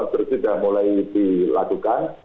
terus sudah mulai dilakukan